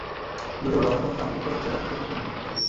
জলদি বলো আমরা সামার ক্যাম্প যাচ্ছি আর সাথে সাথে ফোন দেখে দিবে।